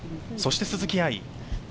そして鈴木愛。